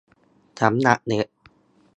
สำหรับเด็ก